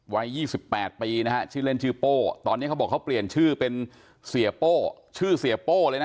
วัย๒๘ปีนะฮะชื่อเล่นชื่อโป้ตอนนี้เขาบอกเขาเปลี่ยนชื่อเป็นเสียโป้ชื่อเสียโป้เลยนะ